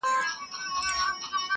جهاني ماته مي نیکونو په سبق ښودلي!.